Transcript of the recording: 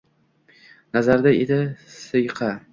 Nazarida edi siyqa.